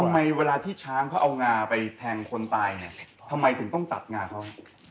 เวลาที่ช้างเขาเอางาไปแทงคนตายเนี่ยทำไมถึงต้องตัดงาเขา